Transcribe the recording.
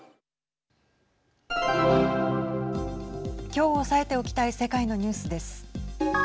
きょう押さえておきたい世界のニュースです。